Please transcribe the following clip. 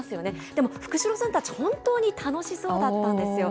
でも、福代さんたち、本当に楽しそうだったんですよ。